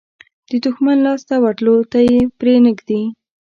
د دښمن لاس ته ورتلو ته یې پرې نه ږدي.